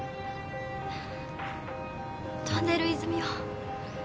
跳んでる泉を。